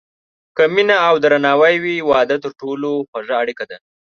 که مینه او درناوی وي، واده تر ټولو خوږه اړیکه ده.